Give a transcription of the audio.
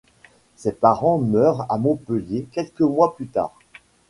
Ses parents meurent à Montpellier quelques mois plus tard.